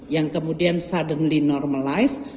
yang kemudian suddenly normalized